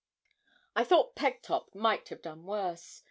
I thought Pegtop might have done worse.